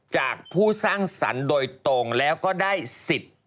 จากผู้สร้างสรรค์โดยตรงแล้วก็ได้สิทธิ์